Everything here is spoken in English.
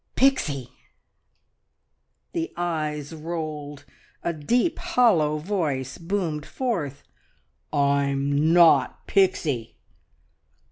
"P ixie!" The eyes rolled; a deep, hollow voice boomed forth "I'm not Pixie!"